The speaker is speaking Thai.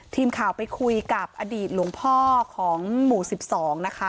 ทีมข่าวไปคุยกับอดีตหลวงพ่อของหมู่๑๒นะคะ